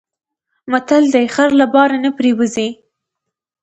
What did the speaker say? متل دی: خر له بار نه پرېوځي.